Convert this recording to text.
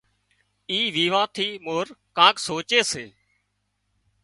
اِي ويوان ٿي مور ڪانڪ سوچي سي